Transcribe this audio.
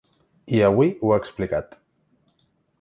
I avui ho ha explicat.